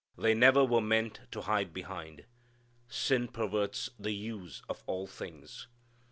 They never were meant to hide behind. Sin perverts the use of all things.